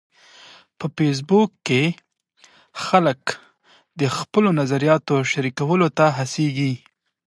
په فېسبوک کې خلک د خپلو نظریاتو شریکولو ته هڅیږي.